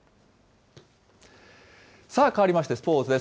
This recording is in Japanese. さあかわりまして、スポーツです。